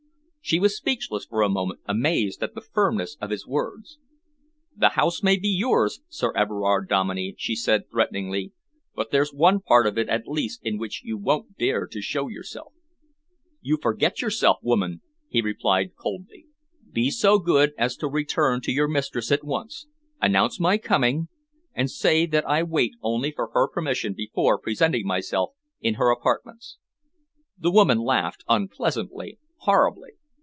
She was speechless for a moment, amazed at the firmness of his words. "The house may be yours, Sir Everard Dominey," she said threateningly, "but there's one part of it at least in which you won't dare to show yourself." "You forget yourself, woman," he replied coldly. "Be so good as to return to your mistress at once, announce my coming, and say that I wait only for her permission before presenting myself in her apartments." The woman laughed, unpleasantly, horribly.